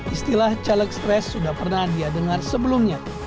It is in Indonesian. istilah caleg stres sudah pernah diadengar sebelumnya